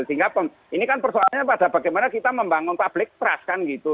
sehingga ini kan persoalannya pada bagaimana kita membangun public trust kan gitu